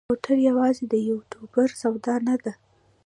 مرکه یوازې د یوټوبر سودا نه ده.